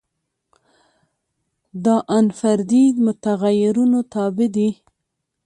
دا ان فردي متغیرونو تابع دي.